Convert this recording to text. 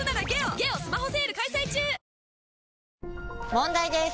問題です！